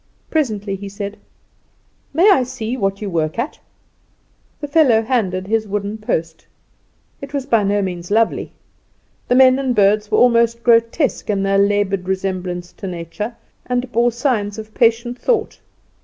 Presently he said: "May I see what you work at?" The fellow handed his wooden post. It was by no means lovely. The men and birds were almost grotesque in their laboured resemblance to nature, and bore signs of patient thought.